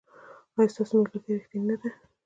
ایا ستاسو ملګرتیا ریښتینې نه ده؟